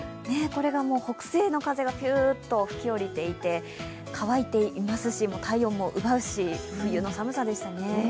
これが北西の風がぴゅーっと吹き降りていて乾いていますし、体温も奪うし冬の寒さでしたね。